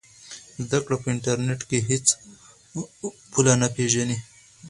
زده کړه په انټرنیټ کې هېڅ پوله نه پېژني.